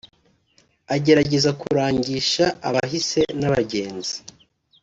agerageza kurangisha abahise n’abagenzi